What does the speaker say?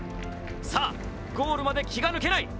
さあ、ゴールまで気が抜けない！